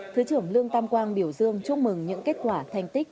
thứ trưởng lương tam quang biểu dương chúc mừng những kết quả thành tích